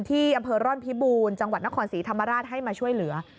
ที่อำเภอร่อนพิบูรณ์จังหวัดนครศรีธรรมราชให้มาช่วยเหลือ